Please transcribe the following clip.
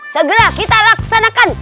segera kita laksanakan